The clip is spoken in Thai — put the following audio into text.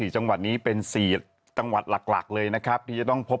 ๔จังหวัดนี้เป็น๔จังหวัดหลักเลยนะครับที่จะต้องพบ